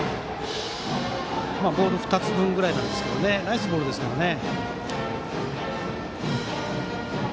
ボール２つ分ぐらいですがナイスボールですね。